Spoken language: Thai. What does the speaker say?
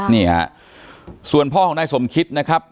นี่ส่วนพ่อหน้าสมคิดนะครับ